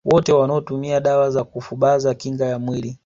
Wote wanaotumia dawa za kufubaza kinga ya mwili